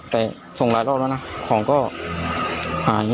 แต่ส่งหลายรอบแล้วนะของก็หาย